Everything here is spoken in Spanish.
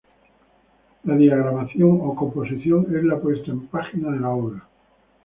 La diagramación o composición es la puesta en página de la obra.